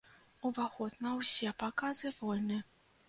Уваход на ўсе паказы вольны.